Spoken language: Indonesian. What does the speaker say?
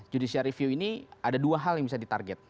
judicial review ini ada dua hal yang bisa ditarget